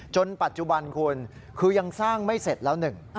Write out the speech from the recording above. จนปัจจุบันคือยังสร้างไม่เสร็จแล้ว๑